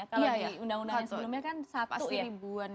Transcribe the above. kalau di undang undang yang sebelumnya kan satu ribuan